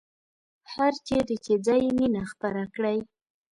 هرچیرې چې ځئ مینه خپره کړئ